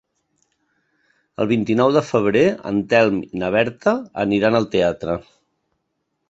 El vint-i-nou de febrer en Telm i na Berta aniran al teatre.